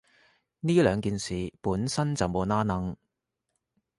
呢兩件事本身就冇拏褦